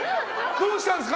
どうしたんですか？